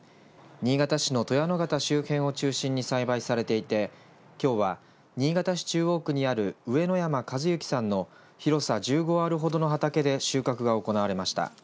新潟市の鳥屋野潟を中心に栽培されていてきょうは、新潟市中央区にある上之山和幸さんの広さ１５アールほどの畑で収穫が行われました。